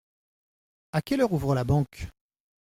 À quelle heure ouvre la banque ?